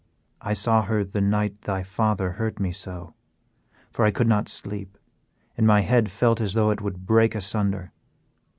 I saw her the night thy father hurt me so, for I could not sleep and my head felt as though it would break asunder.